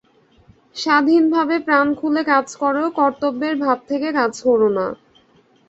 স্বাধীনভাবে প্রাণ খুলে কাজ কর, কর্তব্যের ভাব থেকে কাজ কর না।